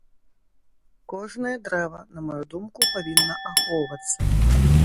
Кожнае дрэва, на маю думку, павінна ахоўвацца.